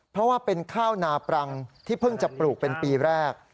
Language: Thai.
เพราะว่าเป็นข้าวนาปรังที่เพิ่งจะปลูกเป็นปีแรก